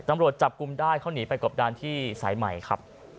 ตำรวจจับกลุ่มได้เขาหนีไปกบดานที่สายใหม่ครับ